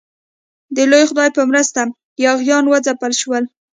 د لوی خدای په مرسته یاغیان وځپل شول.